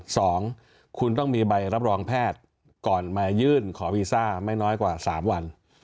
สองคุณต้องมีใบรับรองแพทย์ก่อนมายื่นขอวีซ่าไม่น้อยกว่าสามวัน